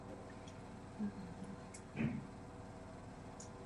Pocházel z chudých poměrů.